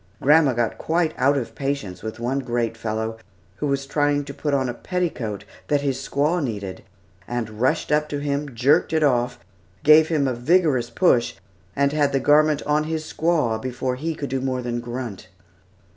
Grandma got quite out of patience with one great fellow who was trying to put on a petticoat that his squaw needed, and rushed up to him, jerked it off, gave him a vigorous push, and had the garment on his squaw, before he could do more than grunt.